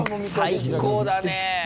最高だねえ。